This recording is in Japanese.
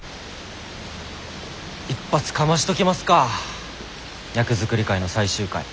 一発かましときますか役作り会の最終回。